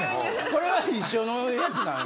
これは一緒のやつなんや？